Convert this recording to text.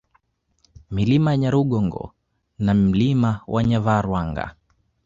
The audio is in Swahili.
Milima ya Nyarugongo na Mlima wa Nyavarwanga